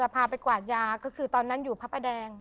พาไปกรำยาสมัยมุราณ